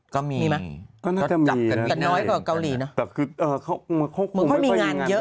ก็มีแบบน้อยกว่าเกาหลีเนอะมันควรมีงานเยอะ